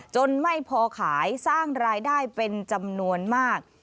ไม่พอขายสร้างรายได้เป็นจำนวนมาก